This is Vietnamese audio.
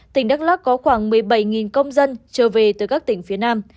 tỉnh đắk lắc có khoảng một mươi bảy công dân trở về từ các tỉnh phía nam